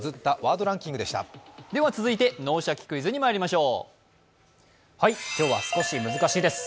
続いて「脳シャキ！クイズ」にまいりましょう。